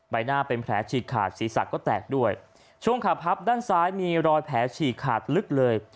ใบหน้าเป็นแผลฉีกขาดศีรษะก็แตกด้วยช่วงขาพับด้านซ้ายมีรอยแผลฉีกขาดลึกเลย